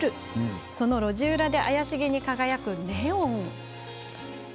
その路地裏で怪しげに輝くネオン。